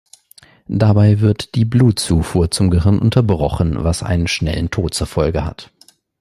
Dabei wird die Blutzufuhr zum Gehirn unterbrochen, was einen schnellen Tod zur Folge hat.